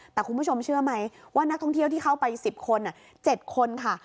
แต่คุณผู้ชมเชื่อไหมว่านักท่องเที่ยวที่เข้าไป๑๐คน๗คนค่ะ